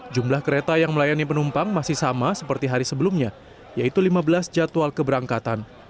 jumlah kereta yang melayani penumpang masih sama seperti hari sebelumnya yaitu lima belas jadwal keberangkatan